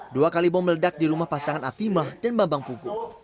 dua kali bom meledak di rumah pasangan atimah dan bambang pugu